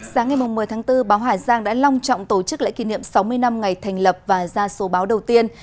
sáng ngày một mươi tháng bốn báo hà giang đã long trọng tổ chức lễ kỷ niệm sáu mươi năm ngày thành lập và ra số báo đầu tiên